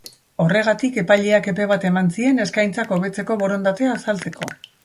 Horregatik, epaileak epe bat eman zien eskaintzak hobetzeko borondatea azaltzeko.